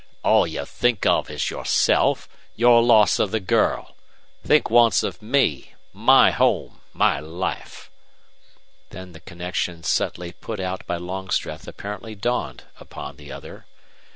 "All you think of is yourself your loss of the girl. Think once of ME my home my life!" Then the connection subtly put out by Longstreth apparently dawned upon the other.